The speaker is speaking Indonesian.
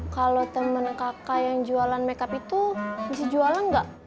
kalau teman kakak yang jualan makeup itu bisa jualan nggak